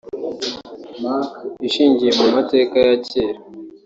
ishingiye mu mateka ya kera